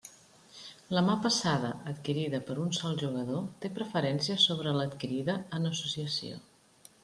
La mà passada adquirida per un sol jugador té preferència sobre l'adquirida en associació.